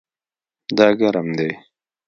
دا ګرم دی